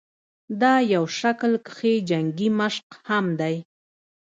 دا يو شکل کښې جنګي مشق هم دے